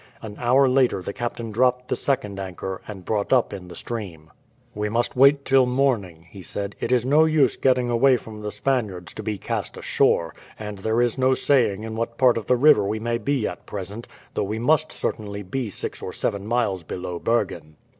An hour later the captain dropped the second anchor, and brought up in the stream. "We must wait till morning," he said. "It is no use getting away from the Spaniards to be cast ashore; and there is no saying in what part of the river we may be at present, though we must certainly be six or seven miles below Bergen."